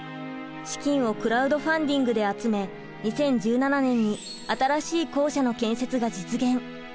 資金をクラウドファンディングで集め２０１７年に新しい校舎の建設が実現。